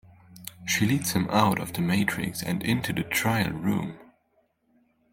She leads him out of the Matrix and into the trial room.